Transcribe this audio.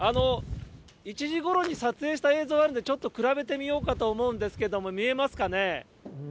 １時ごろに撮影した映像があるんで、ちょっと比べてみようかと思うんですけども、見えますかね。